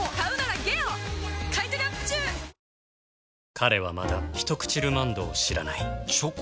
彼はまだ「ひとくちルマンド」を知らないチョコ？